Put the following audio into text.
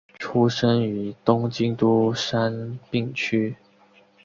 出身于东京都杉并区。